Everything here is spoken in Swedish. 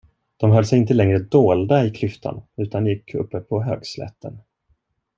De höll sig inte längre dolda i klyftan, utan gick uppe på högslätten.